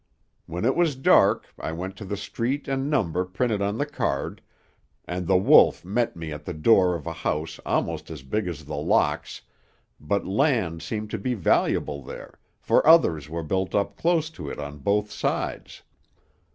"When it was dark, I went to the street and number printed on the card, and The Wolf met me at the door of a house almost as big as The Locks, but land seemed to be valuable there, for others were built up close to it on both sides.